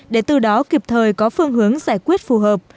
để từ đó kịp thời có phương hướng giải quyết phù hợp